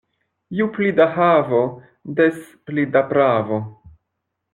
Ju pli da havo, des pli da pravo.